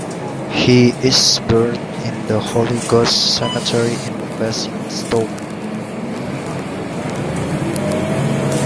He is buried in The Holy Ghost Cemetery in Basingstoke.